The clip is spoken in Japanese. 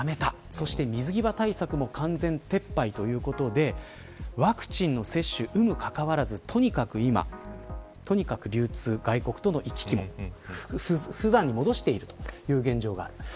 そして水際対策も完全撤廃ということでワクチン接種の有無にかかわらずとにかく流通、外国との行き来も普段に戻しているという現状があります。